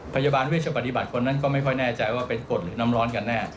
พยาบาลเวชปฏิบัติคนนั้นก็ไม่ค่อยแน่ใจว่าเป็นกฎหรือน้ำร้อนกันแน่